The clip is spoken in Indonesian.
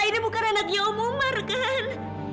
ayda bukan anaknya umar kan